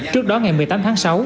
trước đó ngày một mươi tám tháng sáu